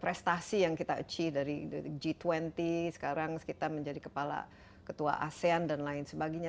prestasi yang kita achie dari g dua puluh sekarang kita menjadi kepala ketua asean dan lain sebagainya